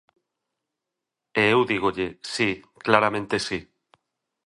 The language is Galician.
E eu dígolle: si; claramente si.